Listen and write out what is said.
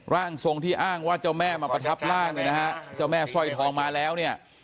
ร่างทรงที่อ้างว่าเจ้าแม่มาประทับร่างเนี่ยนะฮะเจ้าแม่สร้อยทองมาแล้วเนี่ย